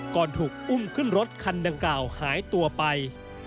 ก่อนถูกอุ้มขึ้นรถคันดังกล่าวหายตัวไป